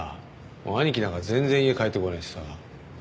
兄貴なんか全然家帰ってこないしさ。